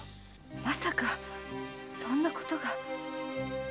まさかそんなことが。